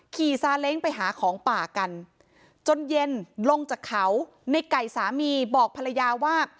ซาเล้งไปหาของป่ากันจนเย็นลงจากเขาในไก่สามีบอกภรรยาว่า